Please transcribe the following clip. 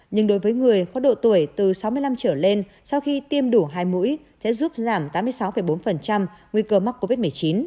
nhưng đối với người có độ tuổi từ sáu mươi năm trở lên sau khi tiêm đủ hai mũi sẽ giúp giảm tám mươi sáu bốn nguy cơ mắc covid một mươi chín